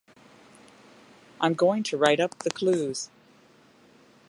I'm going to write up the clues